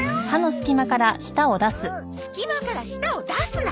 隙間から舌を出すな！